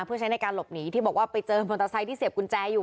เพื่อใช้ในการหลบหนีที่บอกว่าไปเจอมอเตอร์ไซค์ที่เสียบกุญแจอยู่